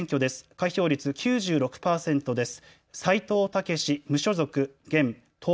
開票率９６％です。